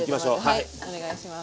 はいお願いします。